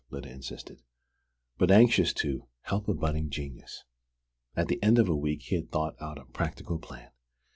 Lyda insisted), but anxious to "help a budding genius." At the end of a week he had thought out a practical plan.